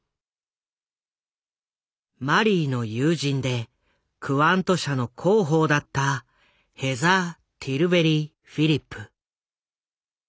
マリーの友人でクワント社の広報だったヘザー・ティルベリー・フィリップ。